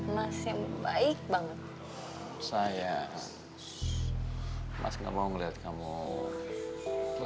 mas yang baik banget sih lo ya